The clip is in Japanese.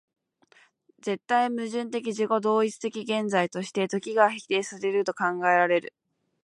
絶対矛盾的自己同一的現在として、時が否定せられると考えられる